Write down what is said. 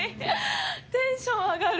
テンション上がる。